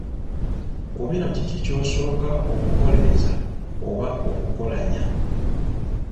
Ku bino kiki ky’osooka okukoleeza oba okukolaanya?